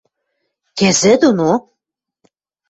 Кӹзӹ доно?!